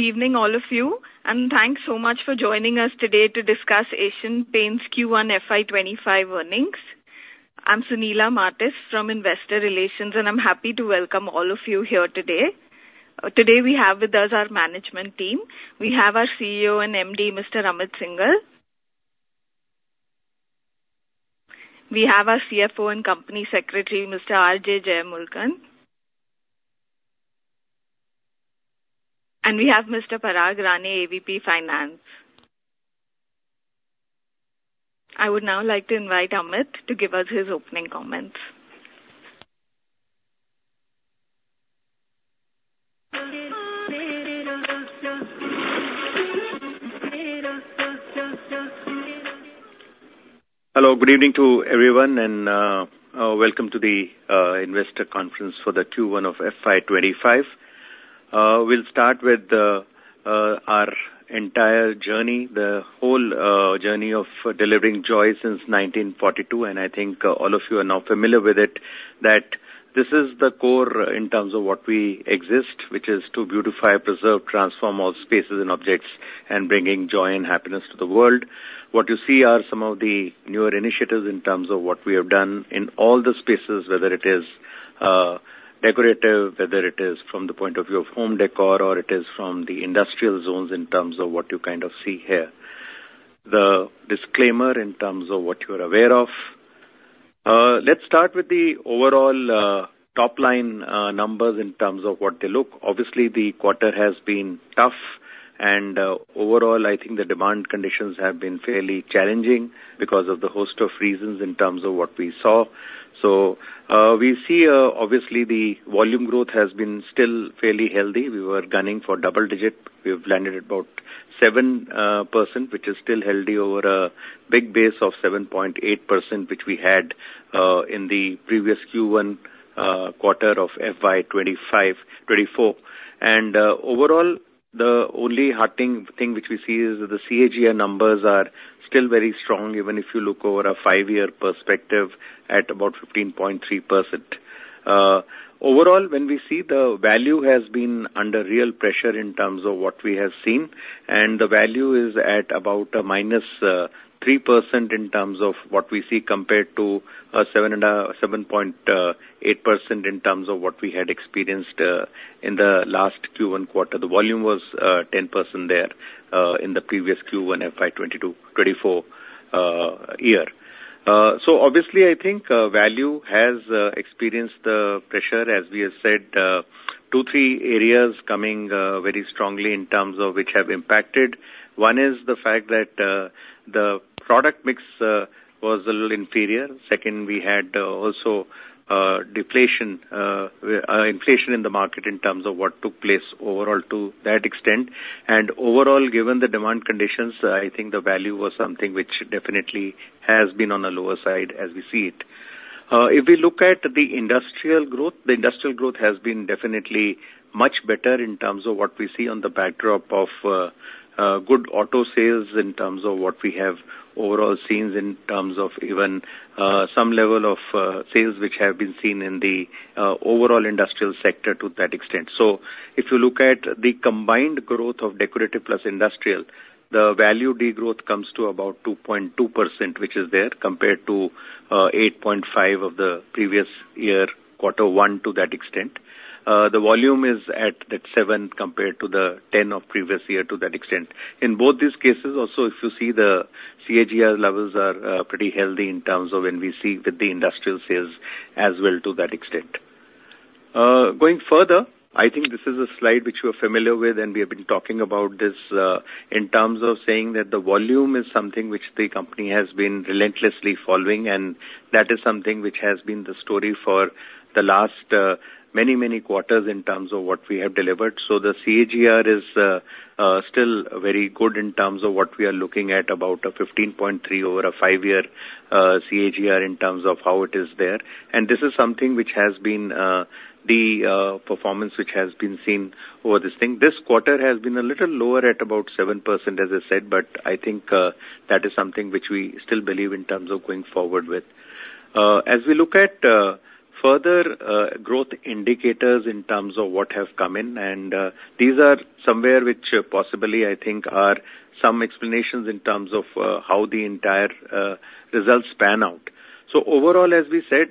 Good evening, all of you, and thanks so much for joining us today to discuss Asian Paints Q1 FY25 earnings. I'm Sunila Martis from Investor Relations, and I'm happy to welcome all of you here today. Today we have with us our management team. We have our CEO and MD, Mr. Amit Syngle. We have our CFO and Company Secretary, Mr. R.J. Jeyamurugan, and we have Mr. Parag Rane, AVP Finance. I would now like to invite Amit to give us his opening comments. Hello, good evening to everyone, and welcome to the investor conference for the Q1 of FY 25. We'll start with our entire journey, the whole journey of delivering joy since 1942, and I think all of you are now familiar with it, that this is the core in terms of what we exist, which is to beautify, preserve, transform all spaces and objects, and bringing joy and happiness to the world. What you see are some of the newer initiatives in terms of what we have done in all the spaces, whether it is decorative, whether it is from the point of view of home decor, or it is from the industrial zones in terms of what you kind of see here. The disclaimer in terms of what you're aware of. Let's start with the overall top line numbers in terms of what they look. Obviously, the quarter has been tough and, overall, I think the demand conditions have been fairly challenging because of the host of reasons in terms of what we saw. So, we see, obviously the volume growth has been still fairly healthy. We were gunning for double-digit. We have landed at about 7%, which is still healthy over a big base of 7.8%, which we had in the previous Q1 quarter of FY 2024. And, overall, the only heartening thing which we see is that the CAGR numbers are still very strong, even if you look over a 5-year perspective at about 15.3%. Overall, when we see the value has been under real pressure in terms of what we have seen, and the value is at about a minus 3% in terms of what we see compared to 7.8% in terms of what we had experienced in the last Q1 quarter. The volume was 10% there in the previous Q1 FY 2022-2024 year. So obviously, I think value has experienced pressure, as we have said, two, three areas coming very strongly in terms of which have impacted. One is the fact that the product mix was a little inferior. Second, we had also deflation inflation in the market in terms of what took place overall to that extent. Overall, given the demand conditions, I think the value was something which definitely has been on the lower side as we see it. If we look at the industrial growth, the industrial growth has been definitely much better in terms of what we see on the backdrop of, good auto sales, in terms of what we have overall seen in terms of even, some level of, sales which have been seen in the, overall industrial sector to that extent. So if you look at the combined growth of decorative plus industrial, the value degrowth comes to about 2.2%, which is there, compared to, 8.5 of the previous year, quarter one, to that extent. The volume is at seven, compared to the ten of previous year, to that extent. In both these cases, also, if you see the CAGR levels are pretty healthy in terms of when we see with the industrial sales as well, to that extent. Going further, I think this is a slide which you are familiar with, and we have been talking about this, in terms of saying that the volume is something which the company has been relentlessly following, and that is something which has been the story for the last many, many quarters in terms of what we have delivered. So the CAGR is still very good in terms of what we are looking at, about a 15.3 over a five-year CAGR in terms of how it is there. And this is something which has been the performance which has been seen over this thing. This quarter has been a little lower at about 7%, as I said, but I think that is something which we still believe in terms of going forward with. As we look at further growth indicators in terms of what have come in, and these are somewhere which possibly, I think, are some explanations in terms of how the entire results pan out. So overall, as we said,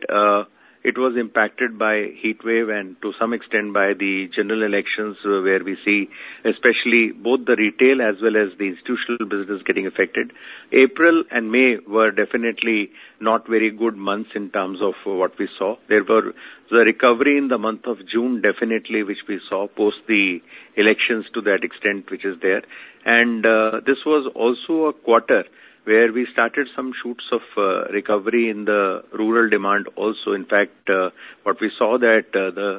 it was impacted by heatwave and to some extent by the general elections, where we see especially both the retail as well as the institutional business getting affected. April and May were definitely not very good months in terms of what we saw. There were the recovery in the month of June, definitely, which we saw post the elections to that extent, which is there. This was also a quarter where we started some shoots of recovery in the rural demand also. In fact, what we saw that the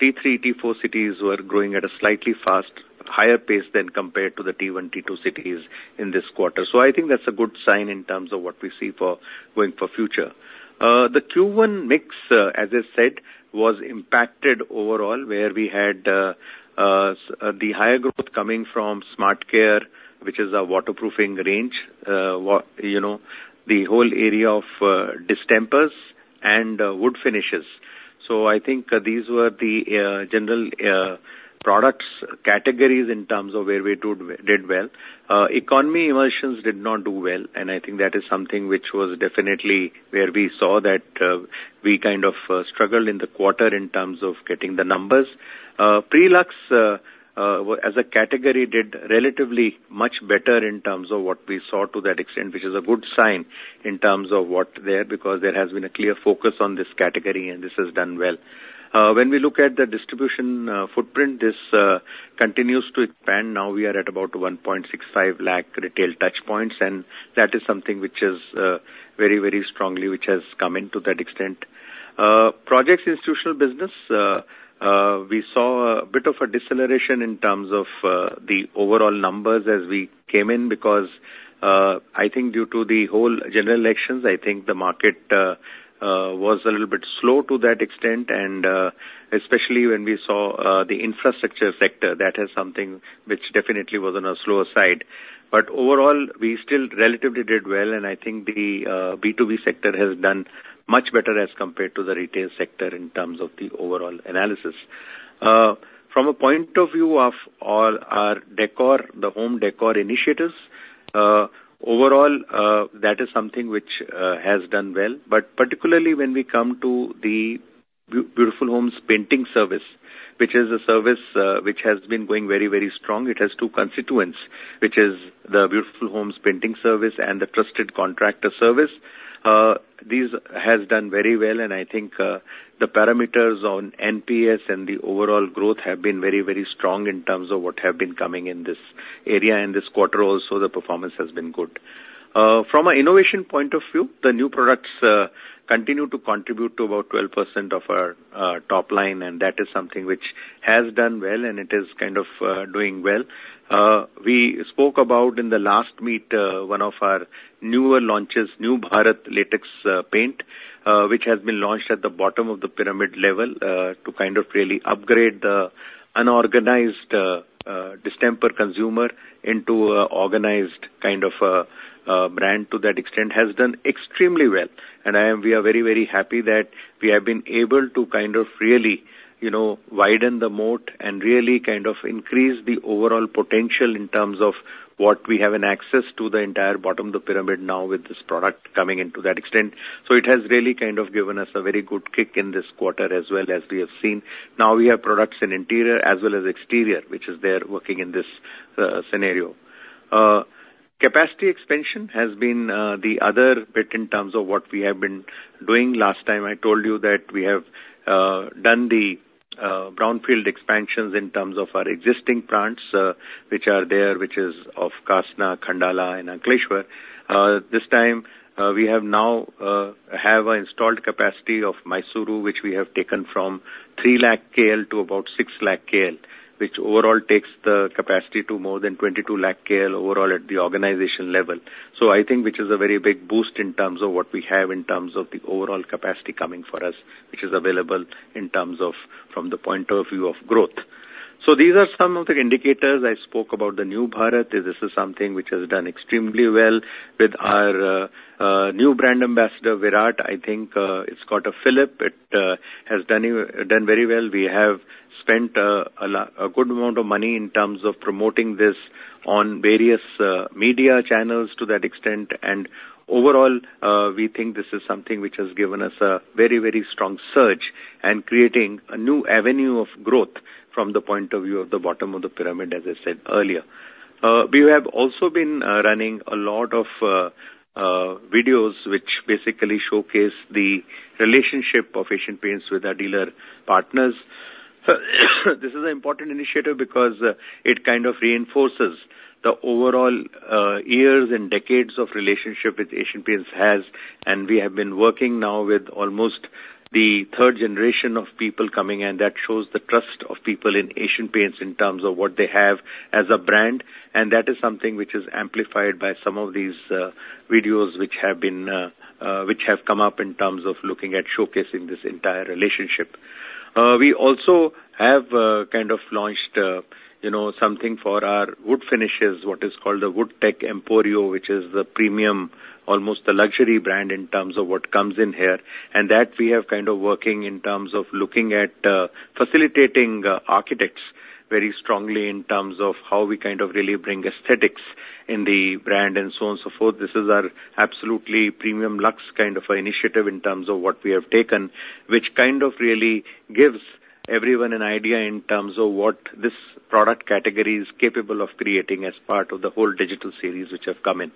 T3, T4 cities were growing at a slightly fast, higher pace than compared to the T1, T2 cities in this quarter. I think that's a good sign in terms of what we see for going for future. The Q1 mix, as I said, was impacted overall, where we had the higher growth coming from SmartCare, which is our waterproofing range. You know, the whole area of distempers and wood finishes. I think these were the general products categories in terms of where we did well. Economy emulsions did not do well, and I think that is something which was definitely where we saw that, we kind of struggled in the quarter in terms of getting the numbers. Premium, as a category, did relatively much better in terms of what we saw to that extent, which is a good sign in terms of what there, because there has been a clear focus on this category, and this has done well. When we look at the distribution footprint, this continues to expand. Now we are at about 1.65 lakh retail touchpoints, and that is something which is, very, very strongly, which has come in to that extent. Projects institutional business, we saw a bit of a deceleration in terms of the overall numbers as we came in, because I think due to the whole general elections, I think the market was a little bit slow to that extent, and especially when we saw the infrastructure sector, that is something which definitely was on a slower side. But overall, we still relatively did well, and I think the B2B sector has done much better as compared to the retail sector in terms of the overall analysis. From a point of view of all our decor, the home decor initiatives, overall, that is something which has done well. But particularly when we come to the Beautiful Homes Painting Service, which is a service which has been going very, very strong. It has two constituents, which is the Beautiful Homes Painting Service and the trusted contractor service. These has done very well, and I think, the parameters on NPS and the overall growth have been very, very strong in terms of what have been coming in this area. In this quarter also, the performance has been good. From an innovation point of view, the new products, continue to contribute to about 12% of our, top line, and that is something which has done well, and it is kind of, doing well. We spoke about in the last meet, one of our newer launches, NeoBharat Latex Paint, which has been launched at the bottom of the pyramid level, to kind of really upgrade the unorganized, distemper consumer into a organized kind of, brand to that extent, has done extremely well. And we are very, very happy that we have been able to kind of really, you know, widen the moat and really kind of increase the overall potential in terms of what we have in access to the entire bottom of the pyramid now with this product coming into that extent. So it has really kind of given us a very good kick in this quarter as well as we have seen. Now we have products in interior as well as exterior, which is there working in this scenario. Capacity expansion has been, the other bit in terms of what we have been doing. Last time, I told you that we have done the brownfield expansions in terms of our existing plants, which are there, which is of Kasna, Khandala, and Ankleshwar. This time, we have an installed capacity of Mysuru, which we have taken from 3 lakh KL to about 6 lakh KL, which overall takes the capacity to more than 22 lakh KL overall at the organization level. So I think, which is a very big boost in terms of what we have in terms of the overall capacity coming for us, which is available in terms of from the point of view of growth. So these are some of the indicators. I spoke about the Neo Bharat. This is something which has done extremely well with our new brand ambassador, Virat. I think it's got a fillip. It has done very well. We have spent a good amount of money in terms of promoting this on various media channels to that extent. And overall, we think this is something which has given us a very, very strong surge and creating a new avenue of growth from the point of view of the bottom of the pyramid, as I said earlier. We have also been running a lot of videos, which basically showcase the relationship of Asian Paints with our dealer partners. This is an important initiative because it kind of reinforces the overall years and decades of relationship which Asian Paints has, and we have been working now with almost the third generation of people coming in. That shows the trust of people in Asian Paints in terms of what they have as a brand, and that is something which is amplified by some of these videos which have come up in terms of looking at showcasing this entire relationship. We also have kind of launched, you know, something for our wood finishes, what is called a WoodTech Emporio, which is the premium, almost a luxury brand in terms of what comes in here. That we have kind of working in terms of looking at facilitating architects very strongly in terms of how we kind of really bring aesthetics in the brand and so on and so forth. This is our absolutely premium luxe kind of initiative in terms of what we have taken, which kind of really gives everyone an idea in terms of what this product category is capable of creating as part of the whole digital series which have come in.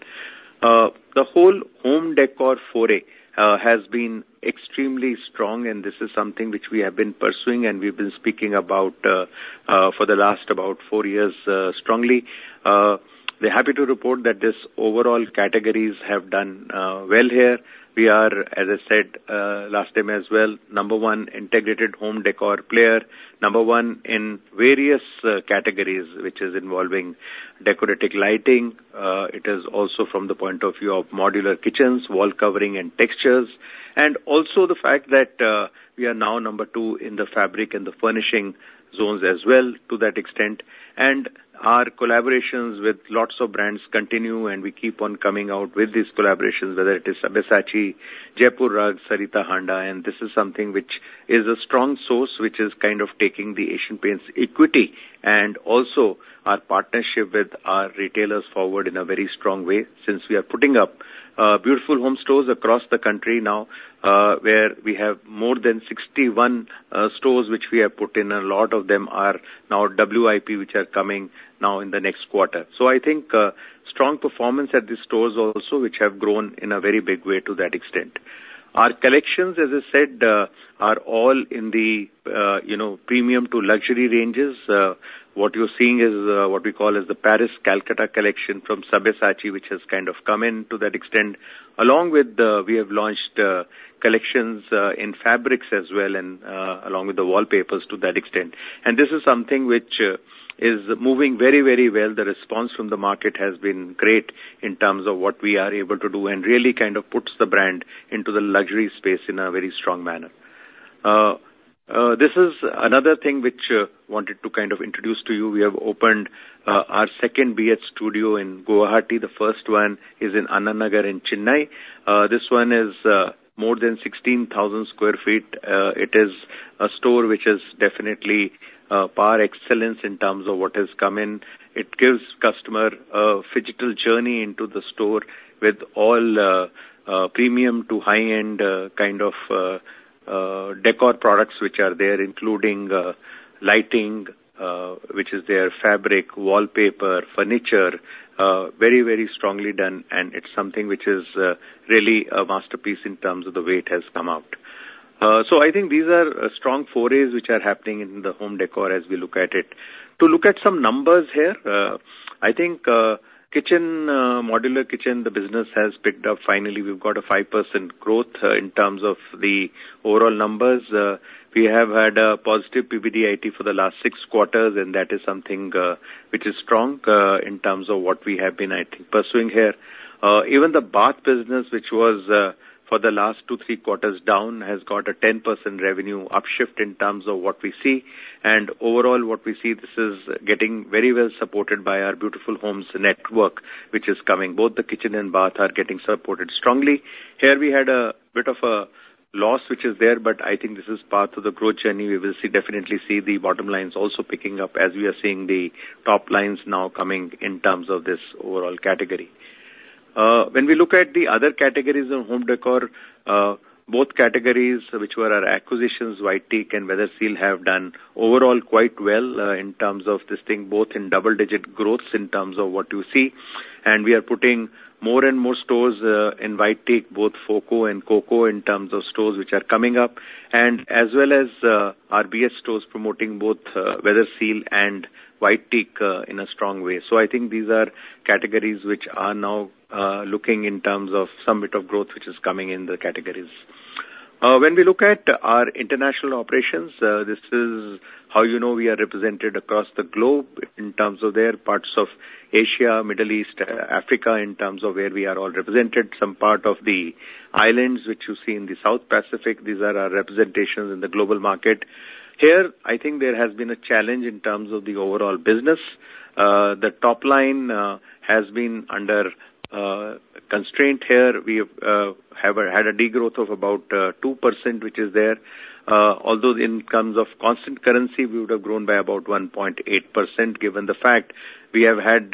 The whole home decor foray has been extremely strong, and this is something which we have been pursuing and we've been speaking about for the last about four years strongly. We're happy to report that this overall categories have done well here. We are, as I said, last time as well, number one integrated home decor player, number one in various categories, which is involving decorative lighting. It is also from the point of view of modular kitchens, wall covering and textures, and also the fact that we are now number two in the fabric and the furnishing zones as well, to that extent. And our collaborations with lots of brands continue, and we keep on coming out with these collaborations, whether it is Versace, Jaipur Rugs, Sarita Handa, and this is something which is a strong source, which is kind of taking the Asian Paints equity, and also our partnership with our retailers forward in a very strong way. Since we are putting up Beautiful Home stores across the country now, where we have more than 61 stores, which we have put in. A lot of them are now WIP, which are coming now in the next quarter. So I think, strong performance at the stores also, which have grown in a very big way to that extent. Our collections, as I said, are all in the, you know, premium to luxury ranges. What you're seeing is, what we call is the Paris-Calcutta collection from Sabyasachi, which has kind of come in to that extent. Along with, we have launched, collections, in fabrics as well, and, along with the wallpapers to that extent. And this is something which, is moving very, very well. The response from the market has been great in terms of what we are able to do, and really kind of puts the brand into the luxury space in a very strong manner. This is another thing which wanted to kind of introduce to you. We have opened our second BH Studio in Guwahati. The first one is in Anna Nagar in Chennai. This one is more than 16,000 sq ft. It is a store which is definitely par excellence in terms of what has come in. It gives customer a phygital journey into the store with all premium to high-end kind of decor products which are there, including lighting which is there, fabric, wallpaper, furniture. Very, very strongly done, and it's something which is really a masterpiece in terms of the way it has come out. So I think these are strong forays which are happening in the home decor as we look at it. To look at some numbers here, I think, kitchen, modular kitchen, the business has picked up. Finally, we've got a 5% growth in terms of the overall numbers. We have had a positive PBDIT for the last six quarters, and that is something, which is strong, in terms of what we have been, I think, pursuing here. Even the bath business, which was, for the last two, three quarters down, has got a 10% revenue up shift in terms of what we see. Overall, what we see, this is getting very well supported by our Beautiful Homes network, which is coming. Both the kitchen and bath are getting supported strongly. Here we had a bit of a loss, which is there, but I think this is part of the growth journey. We will see—definitely see the bottom lines also picking up as we are seeing the top lines now coming in terms of this overall category. When we look at the other categories of home decor, both categories, which were our acquisitions, White Teak and Weatherseal, have done overall quite well, in terms of this thing, both in double-digit growths in terms of what you see. We are putting more and more stores, in White Teak, both FOCO and COCO, in terms of stores which are coming up, and as well as, our BH stores promoting both, Weatherseal and White Teak, in a strong way. I think these are categories which are now, looking in terms of some bit of growth, which is coming in the categories. When we look at our international operations, this is how you know we are represented across the globe in terms of their parts of Asia, Middle East, Africa, in terms of where we are all represented. Some part of the islands, which you see in the South Pacific, these are our representations in the global market. Here, I think there has been a challenge in terms of the overall business. The top line has been under constraint here. We have had a degrowth of about 2%, which is there. Although in terms of constant currency, we would have grown by about 1.8%, given the fact we have had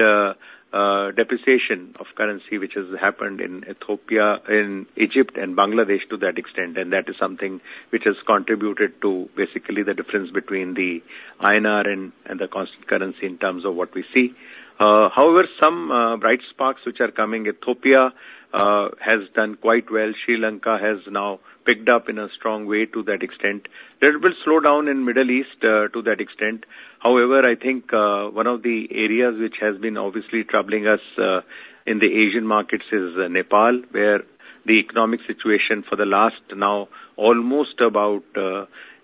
depreciation of currency, which has happened in Ethiopia, in Egypt and Bangladesh to that extent. And that is something which has contributed to basically the difference between the INR and the constant currency in terms of what we see. However, some bright sparks which are coming. Ethiopia has done quite well. Sri Lanka has now picked up in a strong way to that extent. There has been slow down in Middle East to that extent. However, I think one of the areas which has been obviously troubling us in the Asian markets is Nepal, where the economic situation for the last, now, almost about,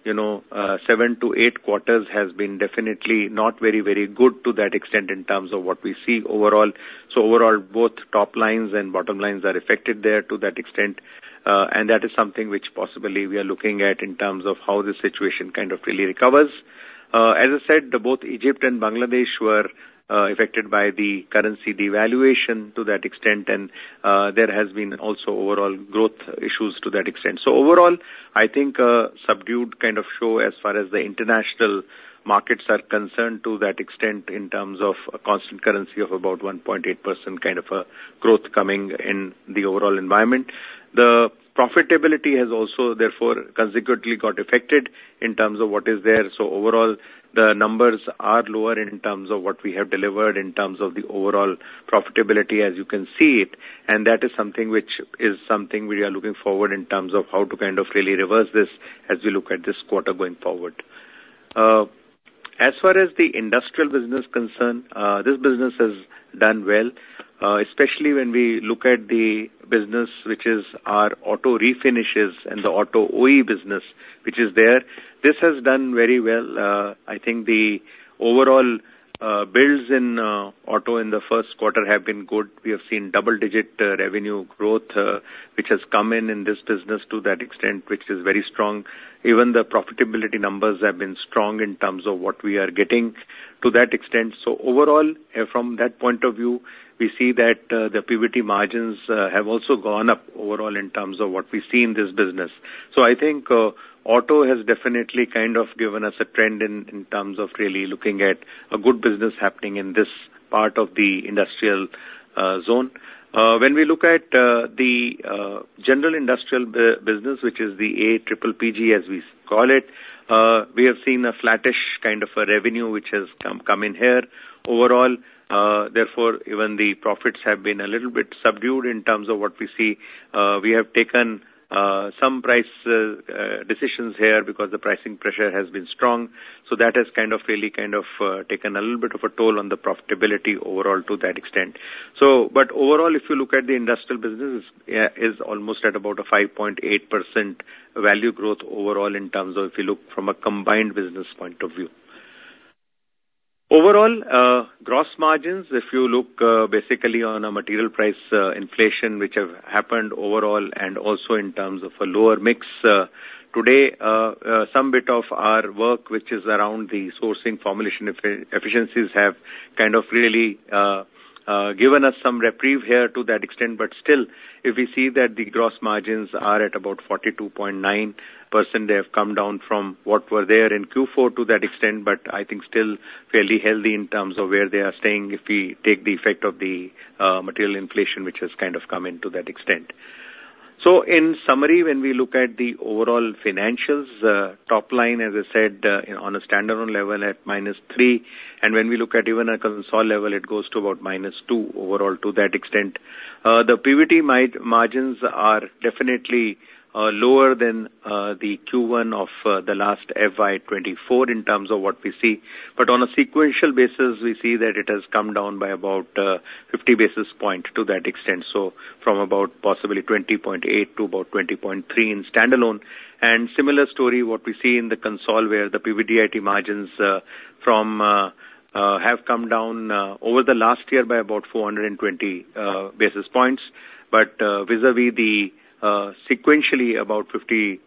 you know, 7-8 quarters, has been definitely not very, very good to that extent in terms of what we see overall. So overall, both top lines and bottom lines are affected there to that extent, and that is something which possibly we are looking at in terms of how the situation kind of really recovers. As I said, both Egypt and Bangladesh were affected by the currency devaluation to that extent, and there has been also overall growth issues to that extent. So overall, I think a subdued kind of show as far as the international markets are concerned to that extent, in terms of constant currency of about 1.8%, kind of a growth coming in the overall environment. The profitability has also therefore consequently got affected in terms of what is there. So overall, the numbers are lower in terms of what we have delivered, in terms of the overall profitability as you can see it, and that is something which is something we are looking forward in terms of how to kind of really reverse this as we look at this quarter going forward. As far as the industrial business is concerned, this business has done well, especially when we look at the business, which is our auto refinishes and the auto OE business, which is there. This has done very well. I think the overall, builds in, auto in the first quarter have been good. We have seen double-digit, revenue growth, which has come in, in this business to that extent, which is very strong. Even the profitability numbers have been strong in terms of what we are getting to that extent. So overall, from that point of view, we see that the PBT margins have also gone up overall in terms of what we see in this business. So I think auto has definitely kind of given us a trend in terms of really looking at a good business happening in this part of the industrial zone. When we look at the general industrial business, which is the APPPG, as we call it, we have seen a flattish kind of a revenue which has come in here overall. Therefore, even the profits have been a little bit subdued in terms of what we see. We have taken some price decisions here because the pricing pressure has been strong, so that has kind of really kind of taken a little bit of a toll on the profitability overall to that extent. So, but overall, if you look at the industrial business is almost at about a 5.8% value growth overall in terms of if you look from a combined business point of view. Overall, gross margins, if you look, basically on a material price inflation, which have happened overall, and also in terms of a lower mix, today, some bit of our work, which is around the sourcing formulation efficiencies, have kind of really given us some reprieve here to that extent. But still, if we see that the gross margins are at about 42.9%, they have come down from what were there in Q4 to that extent, but I think still fairly healthy in terms of where they are staying, if we take the effect of the material inflation, which has kind of come in to that extent. So in summary, when we look at the overall financials, top line, as I said, on a standalone level, at -3%, and when we look at even a consolidated level, it goes to about -2% overall to that extent. The PBT margins are definitely lower than the Q1 of the last FY 2024 in terms of what we see. But on a sequential basis, we see that it has come down by about 50 basis points to that extent, so from about possibly 20.8 to about 20.3 in standalone. And similar story, what we see in the consolidated, where the PBDIT margins have come down over the last year by about 420 basis points, but vis-à-vis the sequentially, about 50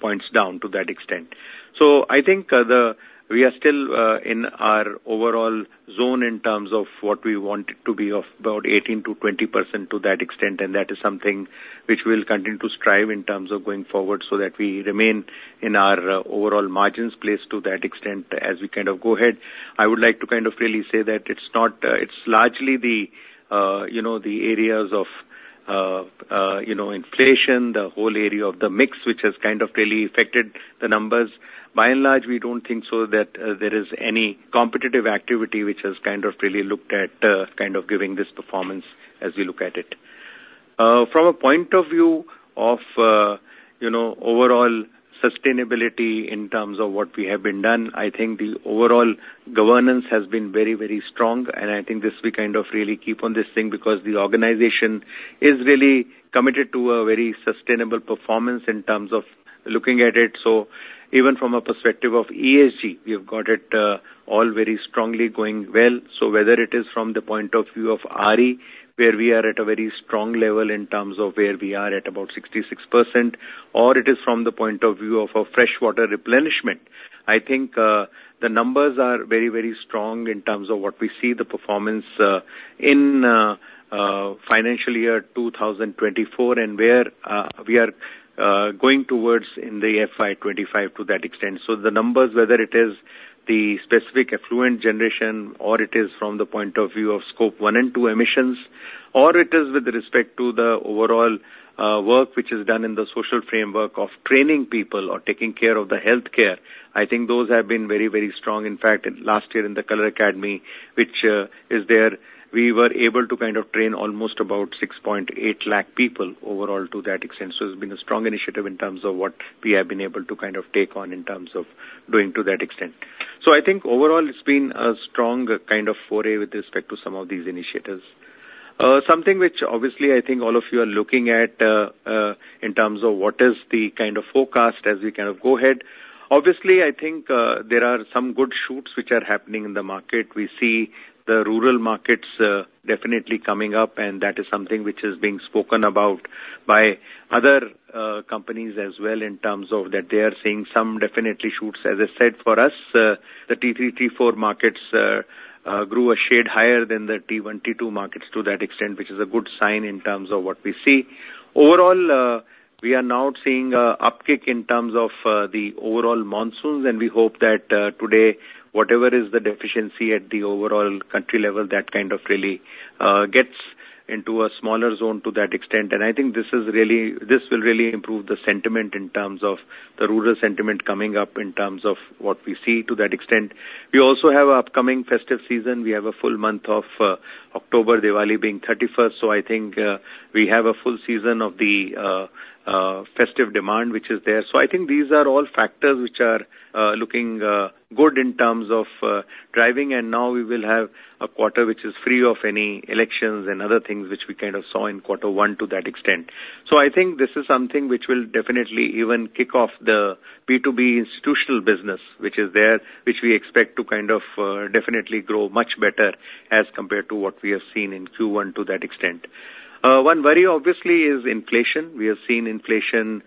points down to that extent. So I think we are still in our overall zone in terms of what we want it to be of about 18%-20% to that extent, and that is something which we'll continue to strive in terms of going forward, so that we remain in our overall margins place to that extent. As we kind of go ahead, I would like to kind of really say that it's not, it's largely the, you know, the areas of, you know, inflation, the whole area of the mix, which has kind of really affected the numbers. By and large, we don't think so, that, there is any competitive activity which has kind of really looked at, kind of giving this performance as we look at it. From a point of view of, you know, overall sustainability in terms of what we have been done, I think the overall governance has been very, very strong, and I think this we kind of really keep on this thing because the organization is really committed to a very sustainable performance in terms of looking at it. So even from a perspective of ESG, we have got it, all very strongly going well. So whether it is from the point of view of RE, where we are at a very strong level in terms of where we are at about 66%, or it is from the point of view of a freshwater replenishment, I think, the numbers are very, very strong in terms of what we see the performance in financial year 2024, and where we are going towards in the FY25 to that extent. So the numbers, whether it is the specific effluent generation or it is from the point of view of Scope 1 and 2 Emissions, or it is with respect to the overall, work which is done in the social framework of training people or taking care of the healthcare, I think those have been very, very strong. In fact, last year in the Colour Academy, which is there, we were able to kind of train almost about 6.8 lakh people overall to that extent. So it's been a strong initiative in terms of what we have been able to kind of take on in terms of doing to that extent. So I think overall it's been a strong kind of foray with respect to some of these initiatives. Something which obviously I think all of you are looking at, in terms of what is the kind of forecast as we kind of go ahead. Obviously, I think, there are some good shoots which are happening in the market. We see the rural markets, definitely coming up, and that is something which is being spoken about by other, companies as well in terms of that they are seeing some definitely shoots. As I said, for us, the T3, T4 markets, grew a shade higher than the T1, T2 markets to that extent, which is a good sign in terms of what we see. Overall, we are now seeing an uptick in terms of the overall monsoon, and we hope that today, whatever is the deficiency at the overall country level, that kind of really gets into a smaller zone to that extent. I think this will really improve the sentiment in terms of the rural sentiment coming up in terms of what we see to that extent. We also have upcoming festive season. We have a full month of October, Diwali being 31st. So I think we have a full season of the festive demand, which is there. So I think these are all factors which are looking good in terms of driving, and now we will have a quarter which is free of any elections and other things which we kind of saw in quarter one to that extent. So I think this is something which will definitely even kick off the B2B institutional business, which is there, which we expect to kind of definitely grow much better as compared to what we have seen in Q1 to that extent. One worry obviously is inflation. We have seen inflation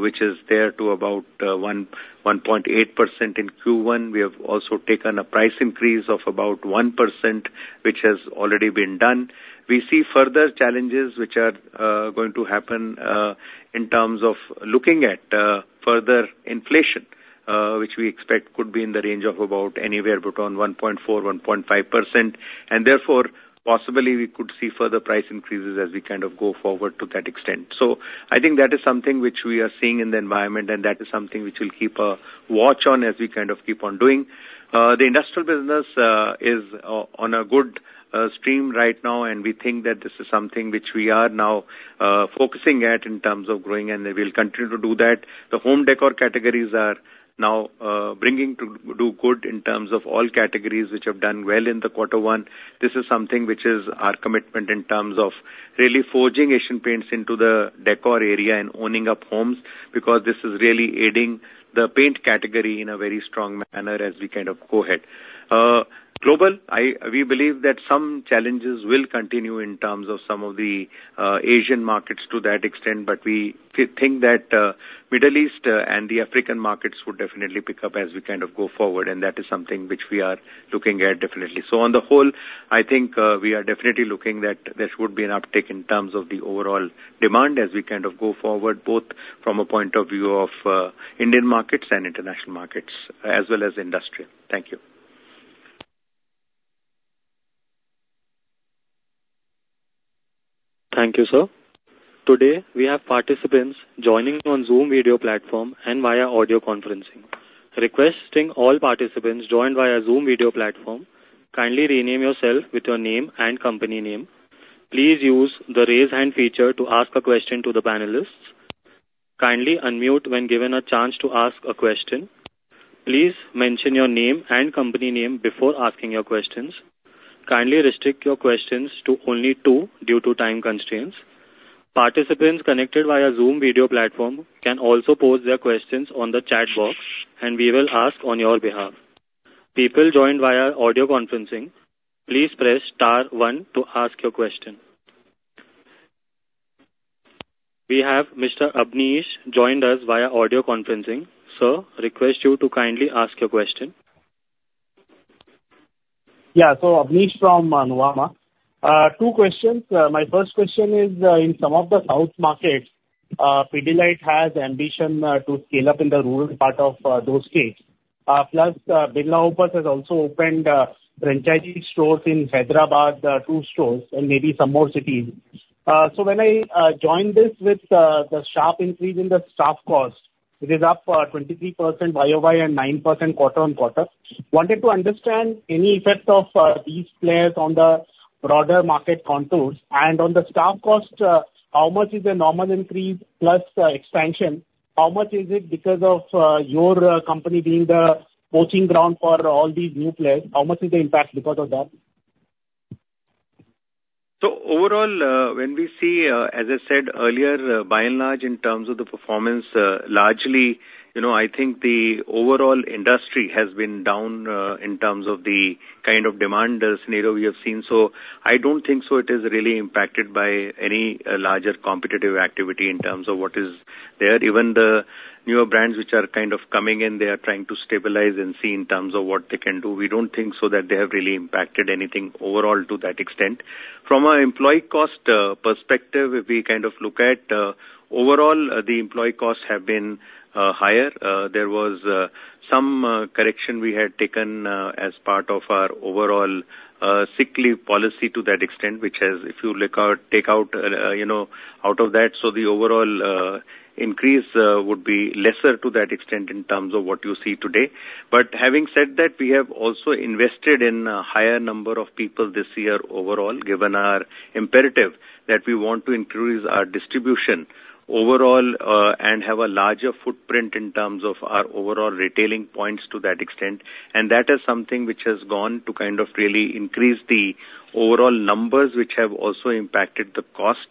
which is there to about 1.8% in Q1. We have also taken a price increase of about 1%, which has already been done. We see further challenges which are going to happen in terms of looking at further inflation which we expect could be in the range of about anywhere between 1.4%-1.5%, and therefore, possibly we could see further price increases as we kind of go forward to that extent. So I think that is something which we are seeing in the environment, and that is something which we'll keep a watch on as we kind of keep on doing. The industrial business is on a good stream right now, and we think that this is something which we are now focusing at in terms of growing, and we'll continue to do that. The home decor categories are now bringing to do good in terms of all categories which have done well in the quarter one. This is something which is our commitment in terms of really forging Asian Paints into the decor area and owning up homes, because this is really aiding the paint category in a very strong manner as we kind of go ahead. Global, I, we believe that some challenges will continue in terms of some of the Asian markets to that extent, but we think that Middle East and the African markets would definitely pick up as we kind of go forward, and that is something which we are looking at definitely. So on the whole, I think we are definitely looking that there should be an uptick in terms of the overall demand as we kind of go forward, both from a point of view of Indian markets and international markets, as well as industrial. Thank you. Thank you, sir. Today, we have participants joining on Zoom video platform and via audio conferencing. Requesting all participants joined via Zoom video platform, kindly rename yourself with your name and company name. Please use the Raise Hand feature to ask a question to the panelists. Kindly unmute when given a chance to ask a question. Please mention your name and company name before asking your questions. Kindly restrict your questions to only two due to time constraints. Participants connected via Zoom video platform can also pose their questions on the chat box, and we will ask on your behalf. People joined via audio conferencing, please press star one to ask your question. We have Mr. Abneesh joined us via audio conferencing. Sir, request you to kindly ask your question. Yeah, so Abneesh from Nuvama. Two questions. My first question is, in some of the south markets, Pidilite has ambition to scale up in the rural part of those states. Plus, Birla Opus has also opened franchisee stores in Hyderabad, 2 stores and maybe some more cities. So when I join this with the sharp increase in the staff costs, it is up 23% YOY and 9% quarter-on-quarter. Wanted to understand any effect of these players on the broader market contours. And on the staff costs, how much is a normal increase plus expansion? How much is it because of your company being the poaching ground for all these new players? How much is the impact because of that? So overall, when we see, as I said earlier, by and large, in terms of the performance, largely, you know, I think the overall industry has been down, in terms of the kind of demand scenario we have seen. So I don't think so it is really impacted by any, larger competitive activity in terms of what is there. Even the newer brands which are kind of coming in, they are trying to stabilize and see in terms of what they can do. We don't think so that they have really impacted anything overall to that extent. From an employee cost, perspective, if we kind of look at, overall, the employee costs have been, higher. There was some correction we had taken as part of our overall sick leave policy to that extent, which has, if you look out- take out, you know, out of that, so the overall increase would be lesser to that extent in terms of what you see today. But having said that, we have also invested in a higher number of people this year overall, given our imperative that we want to increase our distribution overall, and have a larger footprint in terms of our overall retailing points to that extent. And that is something which has gone to kind of really increase the overall numbers, which have also impacted the cost,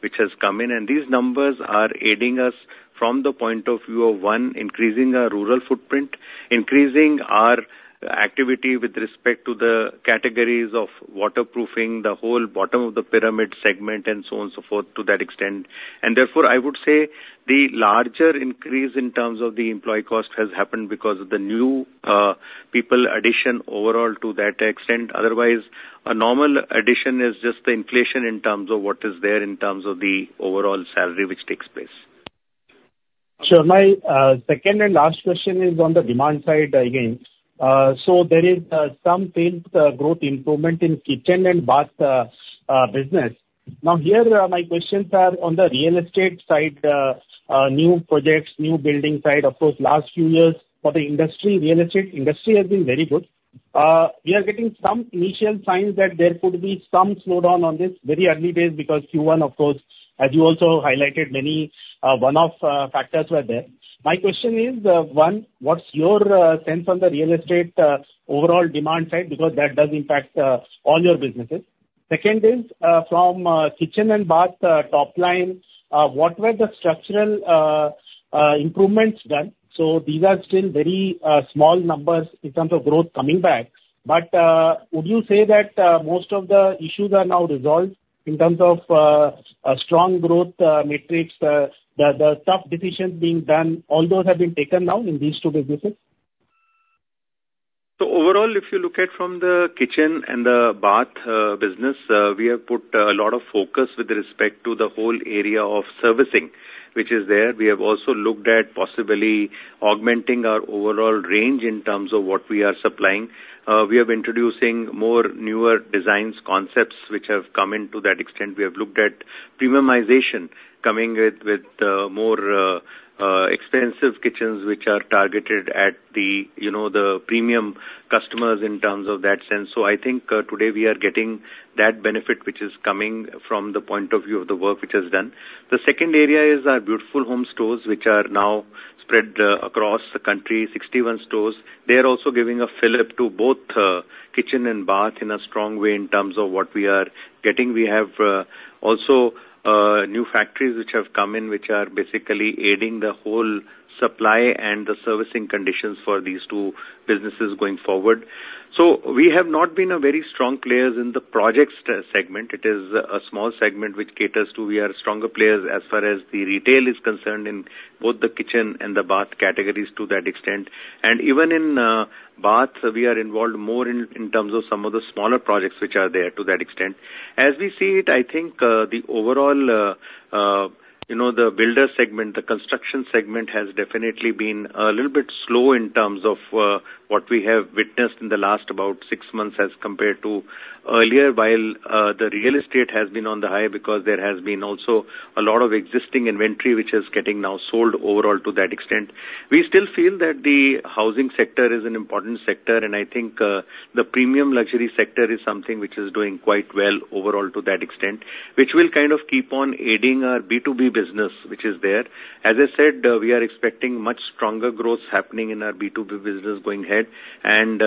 which has come in. These numbers are aiding us from the point of view of, one, increasing our rural footprint, increasing our activity with respect to the categories of waterproofing, the whole bottom of the pyramid segment, and so on, so forth, to that extent. Therefore, I would say the larger increase in terms of the employee cost has happened because of the new, people addition overall to that extent. Otherwise, a normal addition is just the inflation in terms of what is there, in terms of the overall salary which takes place. So my second and last question is on the demand side again. So there is some faint growth improvement in kitchen and bath business. Now, here, my questions are on the real estate side, new projects, new building side. Of course, last few years for the industry, real estate industry has been very good. We are getting some initial signs that there could be some slowdown on this very early days, because Q1, of course, as you also highlighted, many one-off factors were there. My question is, one, what's your sense on the real estate overall demand side? Because that does impact all your businesses.... Second is, from kitchen and bath top line, what were the structural improvements done? So these are still very small numbers in terms of growth coming back, but would you say that most of the issues are now resolved in terms of a strong growth metrics, the tough decisions being done, all those have been taken now in these two businesses? So overall, if you look at from the kitchen and the bath business, we have put a lot of focus with respect to the whole area of servicing, which is there. We have also looked at possibly augmenting our overall range in terms of what we are supplying. We are introducing more newer designs, concepts which have come in to that extent. We have looked at premiumization coming with more expensive kitchens, which are targeted at the, you know, the premium customers in terms of that sense. So I think today we are getting that benefit, which is coming from the point of view of the work which is done. The second area is our Beautiful Homes stores, which are now spread across the country, 61 stores. They are also giving a fillip to both, kitchen and bath in a strong way in terms of what we are getting. We have also new factories which have come in, which are basically aiding the whole supply and the servicing conditions for these two businesses going forward. So we have not been a very strong players in the projects segment. It is a small segment which caters to we are stronger players as far as the retail is concerned in both the kitchen and the bath categories to that extent. And even in bath, we are involved more in terms of some of the smaller projects which are there to that extent. As we see it, I think, the overall, you know, the builder segment, the construction segment, has definitely been a little bit slow in terms of, what we have witnessed in the last about six months as compared to earlier, while, the real estate has been on the high because there has been also a lot of existing inventory, which is getting now sold overall to that extent. We still feel that the housing sector is an important sector, and I think, the premium luxury sector is something which is doing quite well overall to that extent, which will kind of keep on aiding our B2B business, which is there. As I said, we are expecting much stronger growth happening in our B2B business going ahead, and,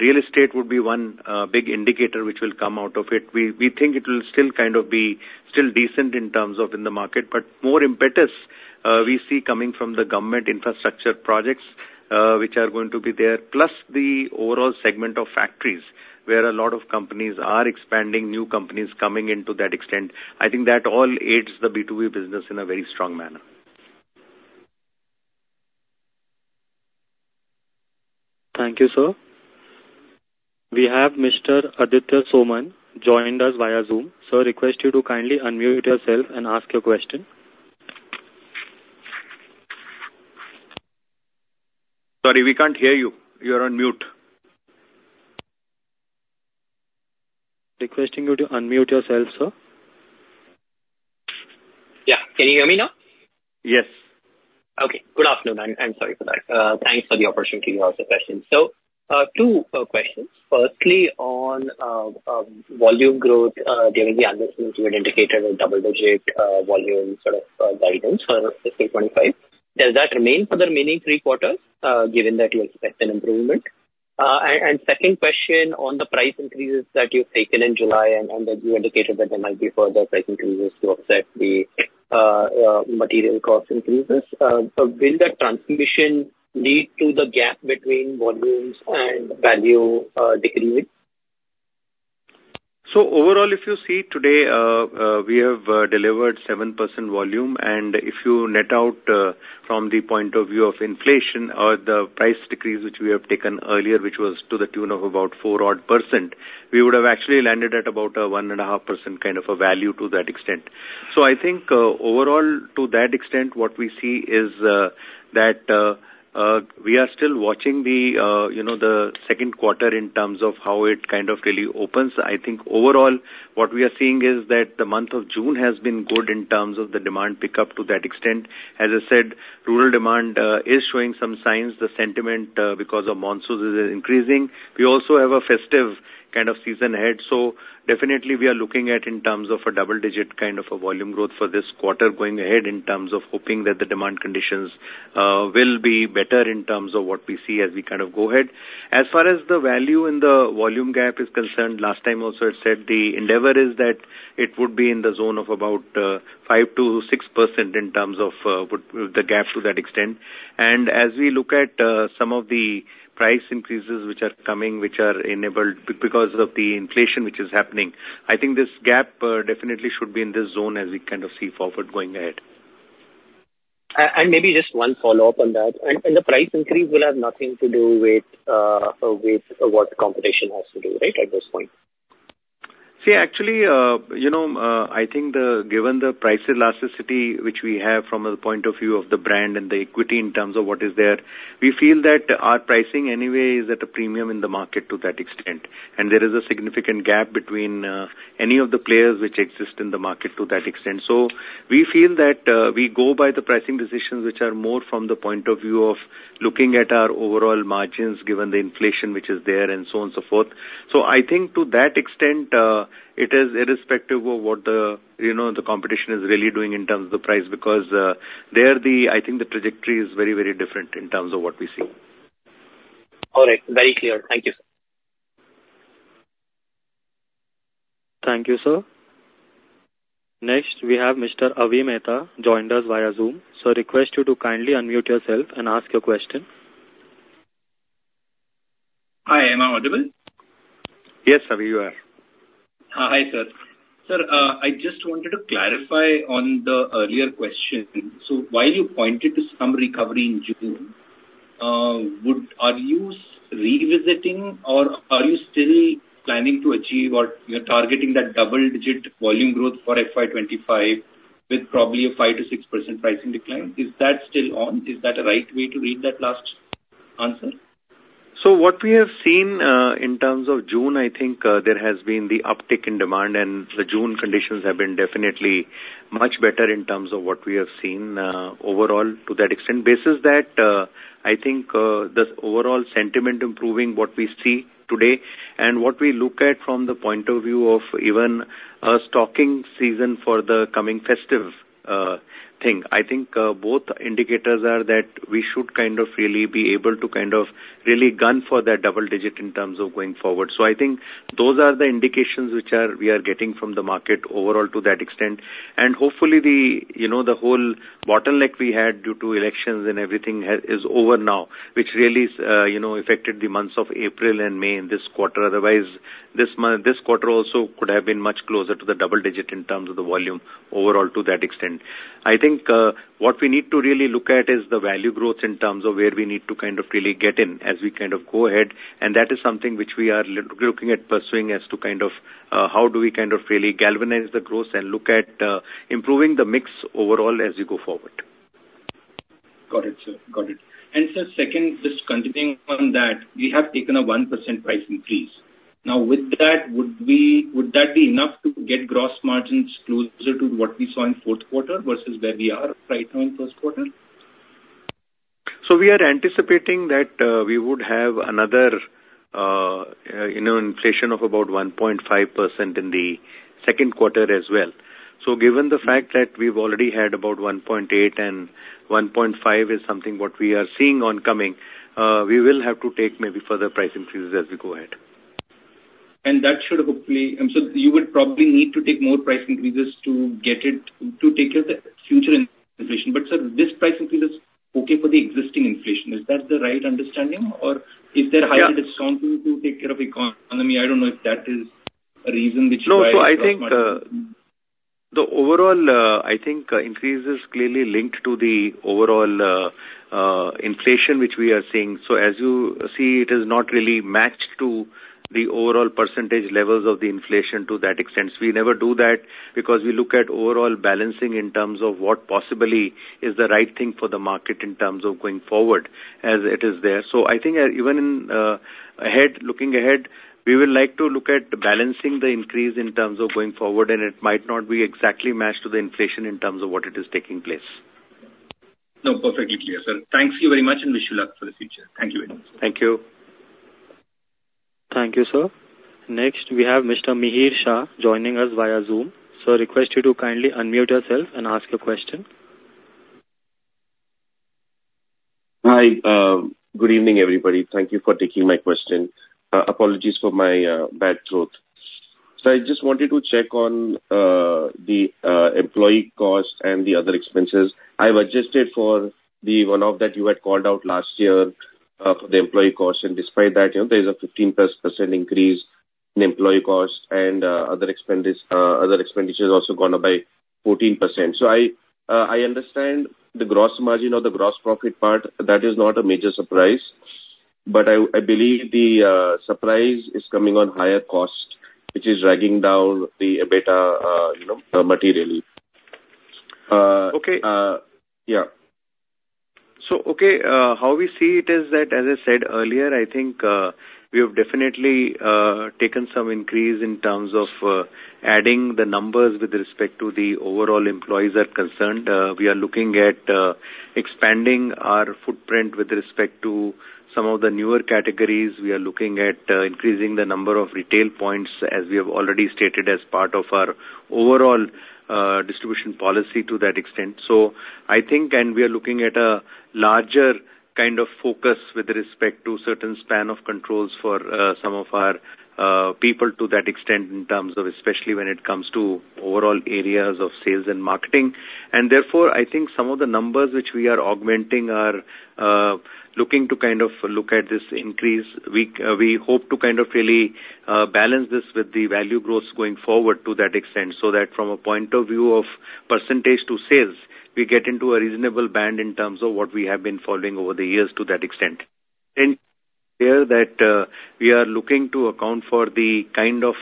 real estate would be one, big indicator which will come out of it. We, we think it will still kind of be still decent in terms of in the market, but more impetus, we see coming from the government infrastructure projects, which are going to be there, plus the overall segment of factories, where a lot of companies are expanding, new companies coming in to that extent. I think that all aids the B2B business in a very strong manner. Thank you, sir. We have Mr. Aditya Soman joined us via Zoom. Sir, request you to kindly unmute yourself and ask your question. Sorry, we can't hear you. You're on mute. Requesting you to unmute yourself, sir. Yeah. Can you hear me now? Yes. Okay. Good afternoon. I'm sorry for that. Thanks for the opportunity to ask the question. So, two questions. Firstly, on volume growth, during the announcements, you had indicated a double digit volume sort of guidance for fiscal 25. Does that remain for the remaining three quarters, given that you expect an improvement? And second question on the price increases that you've taken in July and that you indicated that there might be further price increases to offset the material cost increases. So will that transmission lead to the gap between volumes and value decrease? So overall, if you see today, we have delivered 7% volume, and if you net out, from the point of view of inflation or the price decrease, which we have taken earlier, which was to the tune of about 4% odd, we would have actually landed at about a 1.5% kind of a value to that extent. So I think, overall, to that extent, what we see is, that we are still watching the, you know, the second quarter in terms of how it kind of really opens. I think overall, what we are seeing is that the month of June has been good in terms of the demand pickup to that extent. As I said, rural demand is showing some signs. The sentiment, because of monsoons, is increasing. We also have a festive kind of season ahead, so definitely we are looking at in terms of a double-digit kind of a volume growth for this quarter going ahead in terms of hoping that the demand conditions will be better in terms of what we see as we kind of go ahead. As far as the value and the volume gap is concerned, last time also I said the endeavor is that it would be in the zone of about 5%-6% in terms of what the gap to that extent. And as we look at some of the price increases which are coming, which are enabled because of the inflation which is happening, I think this gap definitely should be in this zone as we kind of see forward going ahead. Maybe just one follow-up on that. The price increase will have nothing to do with what the competition has to do, right, at this point? See, actually, you know, I think the, given the price elasticity, which we have from a point of view of the brand and the equity in terms of what is there, we feel that our pricing anyway is at a premium in the market to that extent. And there is a significant gap between, any of the players which exist in the market to that extent. So we feel that, we go by the pricing decisions, which are more from the point of view of looking at our overall margins, given the inflation which is there and so on and so forth. So I think to that extent, it is irrespective of what the, you know, the competition is really doing in terms of the price, because, I think the trajectory is very, very different in terms of what we see.... All right, very clear. Thank you, sir. Thank you, sir. Next, we have Mr. Avi Mehta, joined us via Zoom. Sir, request you to kindly unmute yourself and ask your question. Hi, am I audible? Yes, sir, you are. Hi, sir. Sir, I just wanted to clarify on the earlier question. So while you pointed to some recovery in June, are you revisiting or are you still planning to achieve what you're targeting, that double-digit volume growth for FY25, with probably a 5%-6% pricing decline? Is that still on? Is that the right way to read that last answer? So what we have seen, in terms of June, I think, there has been the uptick in demand, and the June conditions have been definitely much better in terms of what we have seen, overall to that extent. Basis that, I think, the overall sentiment improving what we see today and what we look at from the point of view of even a stocking season for the coming festive, thing. I think, both indicators are that we should kind of really be able to kind of really gun for that double digit in terms of going forward. So I think those are the indications which are we are getting from the market overall to that extent. Hopefully the, you know, the whole bottleneck we had due to elections and everything has is over now, which really, you know, affected the months of April and May in this quarter. Otherwise, this month, this quarter also could have been much closer to the double digit in terms of the volume overall to that extent. I think, what we need to really look at is the value growth in terms of where we need to kind of really get in, as we kind of go ahead, and that is something which we are looking at pursuing as to kind of, how do we kind of really galvanize the growth and look at, improving the mix overall as we go forward. Got it, sir. Got it. Sir, second, just continuing on that, we have taken a 1% price increase. Now, with that, would we, would that be enough to get gross margins closer to what we saw in fourth quarter versus where we are right now in first quarter? We are anticipating that we would have another you know inflation of about 1.5% in the second quarter as well. Given the fact that we've already had about 1.8 and 1.5 is something what we are seeing on coming, we will have to take maybe further price increases as we go ahead. And that should hopefully... so you would probably need to take more price increases to get it, to take care of the future inflation. But sir, this price increase is okay for the existing inflation. Is that the right understanding? Or if they're- Yeah. highly discounted to take care of economy, I don't know if that is a reason which why. No, so I think, the overall, I think, increase is clearly linked to the overall, inflation, which we are seeing. So as you see, it is not really matched to the overall percentage levels of the inflation to that extent. We never do that, because we look at overall balancing in terms of what possibly is the right thing for the market in terms of going forward, as it is there. So I think, even in, ahead, looking ahead, we would like to look at balancing the increase in terms of going forward, and it might not be exactly matched to the inflation in terms of what it is taking place. No, perfectly clear, sir. Thank you very much, and wish you luck for the future. Thank you very much. Thank you. Thank you, sir. Next, we have Mr. Mihir Shah joining us via Zoom. Sir, request you to kindly unmute yourself and ask your question. Hi. Good evening, everybody. Thank you for taking my question. Apologies for my bad throat. So I just wanted to check on the employee cost and the other expenses. I've adjusted for the one-off that you had called out last year for the employee cost, and despite that, you know, there is a 15%+ increase in employee cost and other expenditures also gone up by 14%. So I understand the gross margin or the gross profit part, that is not a major surprise, but I believe the surprise is coming on higher cost, which is dragging down the EBITDA, you know, materially. Uh- Okay. Yeah. So, okay, how we see it is that, as I said earlier, I think, we have definitely taken some increase in terms of adding the numbers with respect to the overall employees are concerned. We are looking at expanding our footprint with respect to some of the newer categories. We are looking at increasing the number of retail points, as we have already stated as part of our overall distribution policy to that extent. So I think, and we are looking at a larger kind of focus with respect to certain span of controls for some of our people to that extent, in terms of especially when it comes to overall areas of sales and marketing. And therefore, I think some of the numbers which we are augmenting are looking to kind of look at this increase. We hope to kind of really balance this with the value growth going forward to that extent, so that from a point of view of percentage to sales, we get into a reasonable band in terms of what we have been following over the years to that extent. And clear that we are looking to account for the kind of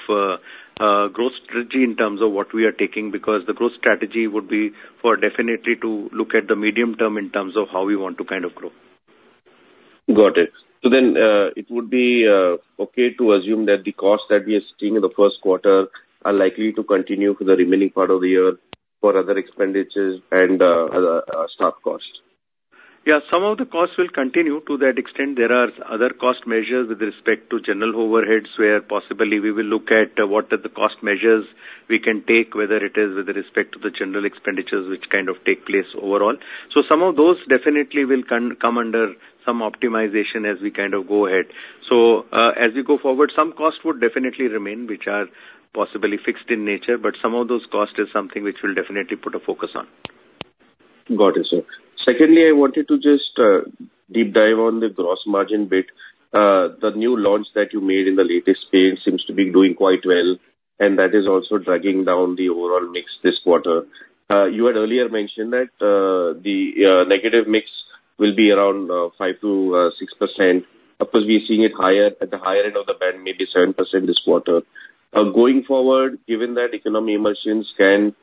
growth strategy in terms of what we are taking, because the growth strategy would be for definitely to look at the medium term in terms of how we want to kind of grow. Got it. So then, it would be okay to assume that the costs that we are seeing in the first quarter are likely to continue for the remaining part of the year for other expenditures and other staff costs? Yeah, some of the costs will continue. To that extent, there are other cost measures with respect to general overheads, where possibly we will look at what are the cost measures we can take, whether it is with respect to the general expenditures, which kind of take place overall. So some of those definitely will come under some optimization as we kind of go ahead. So, as we go forward, some costs would definitely remain, which are possibly fixed in nature, but some of those costs is something which we'll definitely put a focus on. Got it, sir. Secondly, I wanted to just deep dive on the gross margin bit. The new launch that you made in the latest phase seems to be doing quite well, and that is also dragging down the overall mix this quarter. You had earlier mentioned that the negative mix will be around 5-6%. Of course, we're seeing it higher, at the higher end of the band, maybe 7% this quarter. Going forward, given that economy emulsions can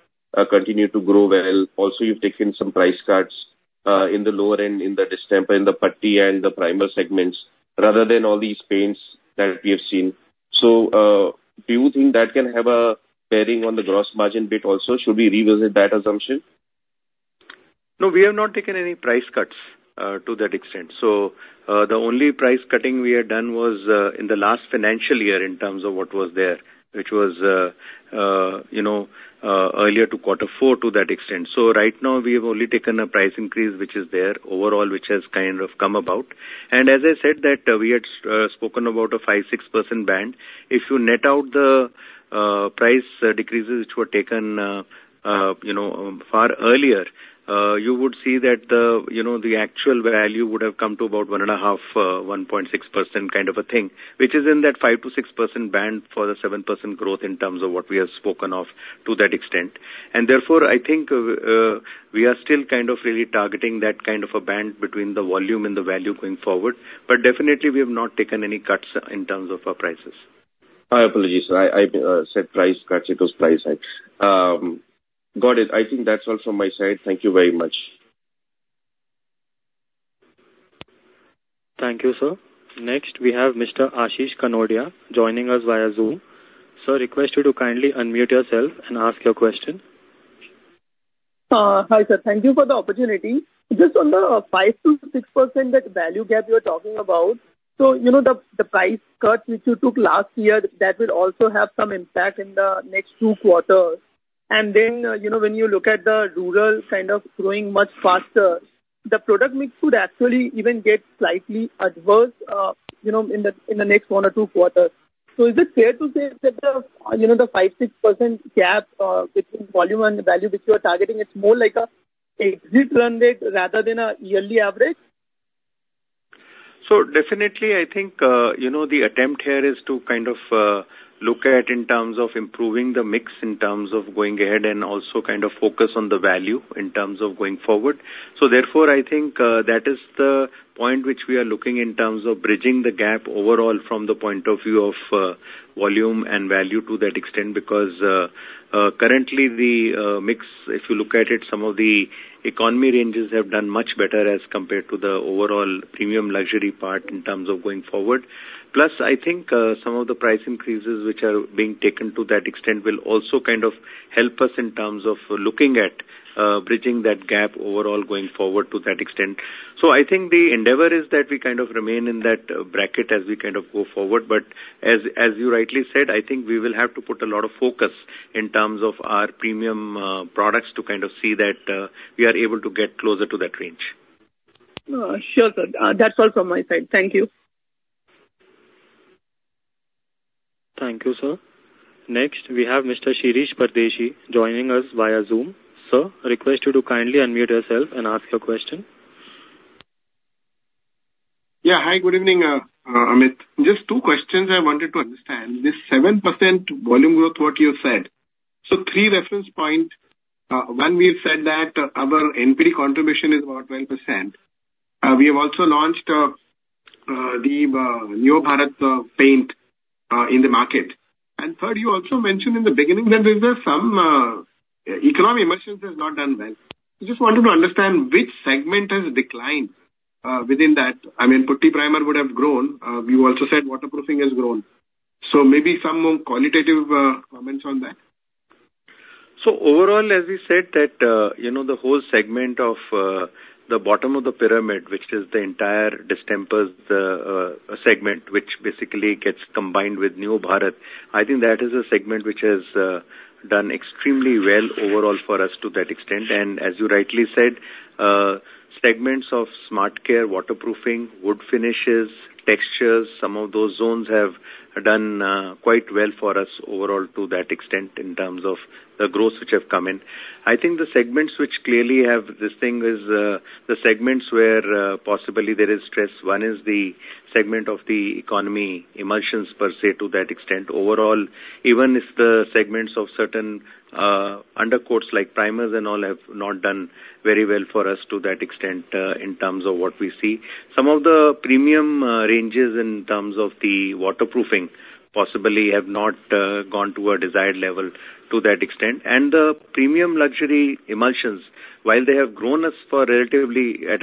continue to grow well, also, you've taken some price cuts in the lower end, in the distemper, in the putty and the primer segments, rather than all these paints that we have seen. So, do you think that can have a bearing on the gross margin bit also? Should we revisit that assumption? No, we have not taken any price cuts to that extent. So, the only price cutting we had done was in the last financial year in terms of what was there, which was you know earlier to quarter four, to that extent. So right now we have only taken a price increase, which is there, overall which has kind of come about. And as I said that we had spoken about a 5-6% band. If you net out the price decreases, which were taken you know far earlier, you would see that the you know the actual value would have come to about 1.5-1.6% kind of a thing. Which is in that 5%-6% band for the 7% growth in terms of what we have spoken of to that extent. And therefore, I think, we are still kind of really targeting that kind of a band between the volume and the value going forward. But definitely we have not taken any cuts in terms of our prices. My apologies, sir. I said price cuts, it was price hike. Got it. I think that's all from my side. Thank you very much. Thank you, sir. Next, we have Mr. Ashish Kanodia joining us via Zoom. Sir, request you to kindly unmute yourself and ask your question. Hi, sir. Thank you for the opportunity. Just on the 5%-6%, that value gap you are talking about, so, you know, the price cut which you took last year, that will also have some impact in the next two quarters. And then, you know, when you look at the rural kind of growing much faster, the product mix could actually even get slightly adverse, you know, in the next one or two quarters. So is it fair to say that the, you know, the 5-6% gap between volume and the value which you are targeting, it's more like an exit run rate rather than a yearly average? So definitely, I think, you know, the attempt here is to kind of look at in terms of improving the mix, in terms of going ahead and also kind of focus on the value in terms of going forward. So therefore, I think, that is the point which we are looking in terms of bridging the gap overall from the point of view of volume and value to that extent. Because currently the mix, if you look at it, some of the economy ranges have done much better as compared to the overall premium luxury part in terms of going forward. Plus, I think, some of the price increases which are being taken to that extent will also kind of help us in terms of looking at bridging that gap overall going forward to that extent. So I think the endeavor is that we kind of remain in that bracket as we kind of go forward, but as, as you rightly said, I think we will have to put a lot of focus in terms of our premium products to kind of see that we are able to get closer to that range. Sure, sir. That's all from my side. Thank you. Thank you, sir. Next, we have Mr. Shirish Pardeshi joining us via Zoom. Sir, I request you to kindly unmute yourself and ask your question. Yeah. Hi, good evening, Amit. Just two questions I wanted to understand. This 7% volume growth, what you said. Three reference point. One, we said that our NPD contribution is about 20%. We have also launched the Neo Bharat paint in the market. And third, you also mentioned in the beginning that there's some economy emulsions has not done well. I just wanted to understand which segment has declined within that. I mean, putty primer would have grown. You also said waterproofing has grown. So maybe some more qualitative comments on that. So overall, as we said, you know, the whole segment of the bottom of the pyramid, which is the entire distempers segment, which basically gets combined with Neo Bharat, I think that is a segment which has done extremely well overall for us to that extent. And as you rightly said, segments of SmartCare, waterproofing, wood finishes, textures, some of those zones have done quite well for us overall to that extent in terms of the growth which have come in. I think the segments which clearly have this thing is the segments where possibly there is stress. One is the segment of the economy emulsions per se, to that extent. Overall, even if the segments of certain undercoats like primers and all have not done very well for us to that extent, in terms of what we see. Some of the premium ranges in terms of the waterproofing possibly have not gone to a desired level to that extent. The premium luxury emulsions, while they have grown us for relatively at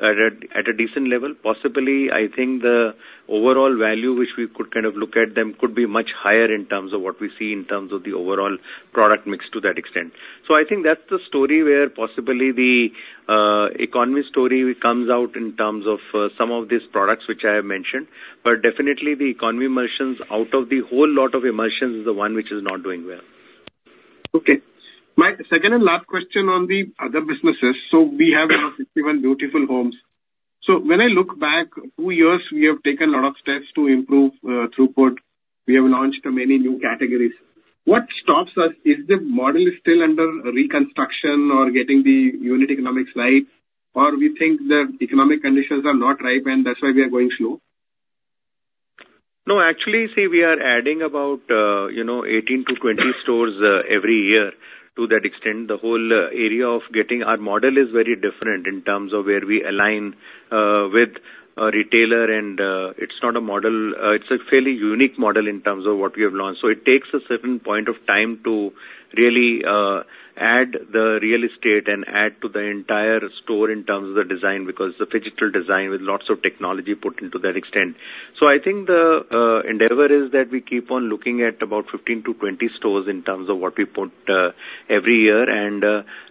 a decent level, possibly, I think the overall value which we could kind of look at them could be much higher in terms of what we see in terms of the overall product mix to that extent. I think that's the story where possibly the economy story comes out in terms of some of these products which I have mentioned. Definitely the economy emulsions, out of the whole lot of emulsions, is the one which is not doing well. Okay. My second and last question on the other businesses. So we have our 61 Beautiful Homes. So when I look back two years, we have taken a lot of steps to improve, throughput. We have launched many new categories. What stops us? Is the model still under reconstruction or getting the unit economics right? Or we think the economic conditions are not ripe, and that's why we are going slow? No, actually, see, we are adding about, you know, 18-20 stores every year. To that extent, the whole area. Our model is very different in terms of where we align with a retailer, and it's not a model. It's a fairly unique model in terms of what we have launched. So it takes a certain point of time to really add the real estate and add to the entire store in terms of the design, because it's a phygital design with lots of technology put into that extent. So I think the endeavor is that we keep on looking at about 15-20 stores in terms of what we put every year and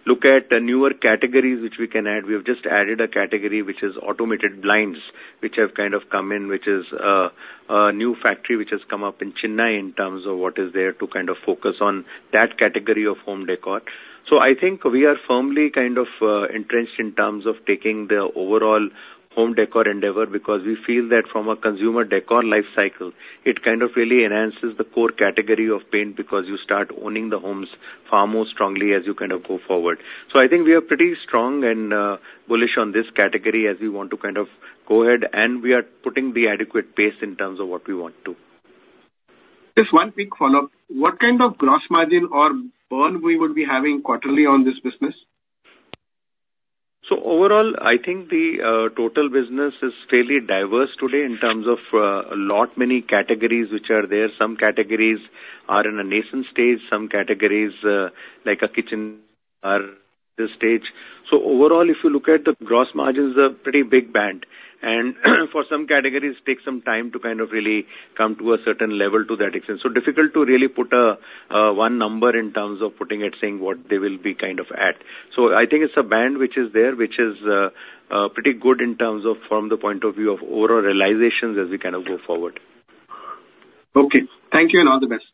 look at the newer categories which we can add. We have just added a category which is automated blinds, which have kind of come in, which is a new factory which has come up in Chennai in terms of what is there to kind of focus on that category of home decor. So I think we are firmly kind of entrenched in terms of taking the overall home decor endeavor, because we feel that from a consumer decor life cycle, it kind of really enhances the core category of paint, because you start owning the homes far more strongly as you kind of go forward. So I think we are pretty strong and bullish on this category as we want to kind of go ahead, and we are putting the adequate pace in terms of what we want to. Just one quick follow-up. What kind of gross margin or burn we would be having quarterly on this business? So overall, I think the total business is fairly diverse today in terms of a lot many categories which are there. Some categories are in a nascent stage, some categories like a kitchen are this stage. So overall, if you look at the gross margins, a pretty big band. And for some categories, take some time to kind of really come to a certain level to that extent. So difficult to really put a one number in terms of putting it, saying what they will be kind of at. So I think it's a band which is there, which is pretty good in terms of from the point of view of overall realizations as we kind of go forward. Okay. Thank you, and all the best.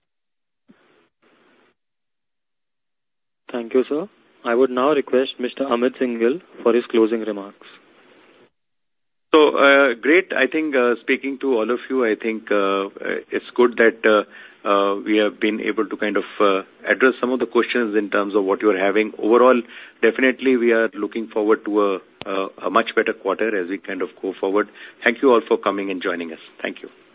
Thank you, sir. I would now request Mr. Amit Syngle for his closing remarks. So, great. I think, speaking to all of you, I think, it's good that we have been able to kind of address some of the questions in terms of what you're having. Overall, definitely we are looking forward to a, a much better quarter as we kind of go forward. Thank you all for coming and joining us. Thank you.